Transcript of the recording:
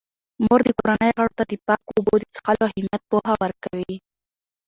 مور د کورنۍ غړو ته د پاکو اوبو د څښلو اهمیت پوهه ورکوي.